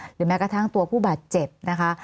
แม้กระทั่งตัวผู้บาดเจ็บนะคะ